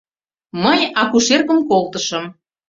Мый акушеркым колтышым.